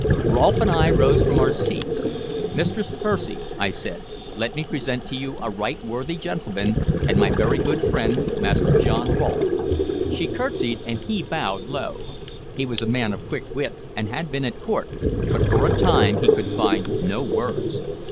Rolfe and I rose from our seats. "Mistress Percy," I said, "let me present to you a right worthy gentleman and my very good friend, Master John Rolfe." She curtsied, and he bowed low. He was a man of quick wit and had been at court, but for a time he could find no words.